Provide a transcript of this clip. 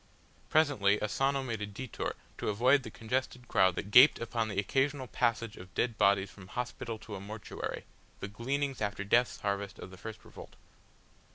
Presently Asano made a detour to avoid the congested crowd that gaped upon the occasional passage of dead bodies from hospital to a mortuary, the gleanings after death's harvest of the first revolt.